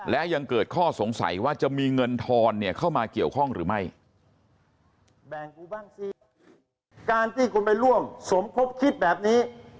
และยังเกิดข้อสงสัยว่าจะมีเงินทอนเข้ามาเกี่ยวข้องหรือไม่